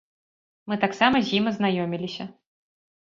Мы таксама з ім азнаёміліся.